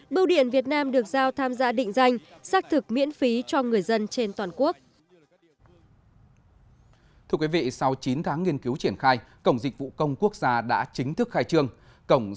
bưu điện việt nam được giao tham gia định danh xác thực miễn phí cho người dân